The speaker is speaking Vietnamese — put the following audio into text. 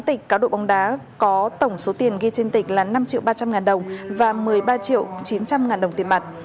hai tịch cá độ bóng đá có tổng số tiền ghi trên tịch là năm triệu ba trăm linh ngàn đồng và một mươi ba triệu chín trăm linh ngàn đồng tiền mặt